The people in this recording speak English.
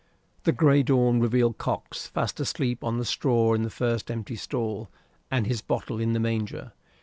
The gray dawn revealed Cox fast asleep on the straw in the first empty stall, and his bottle in the manger.